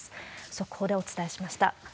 速報でお伝えしました。